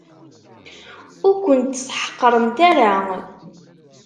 Ur kent-ssḥeqrent ara.